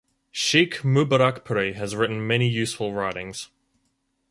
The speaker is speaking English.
Sheikh Mubarakpuri has written many useful writings.